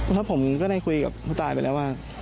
แล้วผมก็ได้คุยกับผู้ตายไปแล้วว่า